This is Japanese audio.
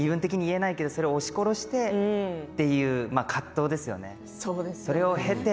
身分的に言えないけれどもそれを押し殺してという葛藤ですよね